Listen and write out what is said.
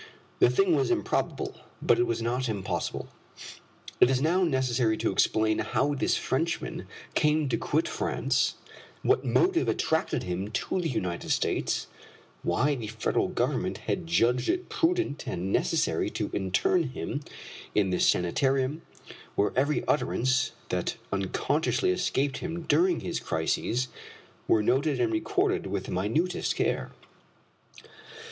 The thing was improbable, but it was not impossible. It is now necessary to explain how this Frenchman came to quit France, what motive attracted him to the United States, why the Federal government had judged it prudent and necessary to intern him in this sanitarium, where every utterance that unconsciously escaped him during his crises were noted and recorded with the minutest care.